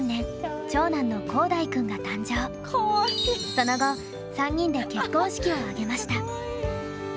その後３人で結婚式を挙げました。